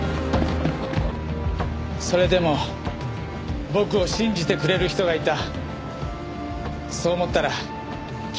それでも僕を信じてくれる人がいたそう思ったら希望が持てた。